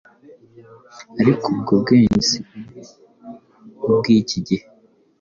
ariko ubwo bwenge si ubw’iki gihe,